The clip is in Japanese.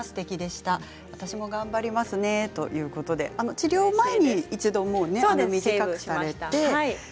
治療前に一度、短くされて。